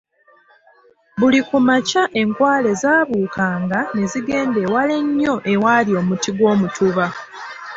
Buli ku makya enkwale zaabukanga ne zigenda ewala ennyo ewaali omuti gw'omutuba.